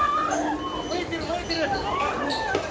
燃えてる、燃えてる。